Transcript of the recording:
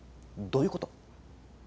どういうこと？